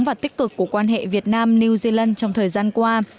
và tích cực của quan hệ việt nam new zealand trong thời gian qua